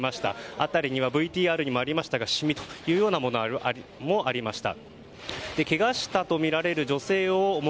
辺りにはＶＴＲにもありましたが染みもありました。